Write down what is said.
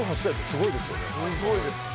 すごいです。